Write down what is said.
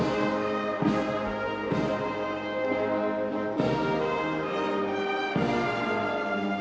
สวัสดีครับทุกคน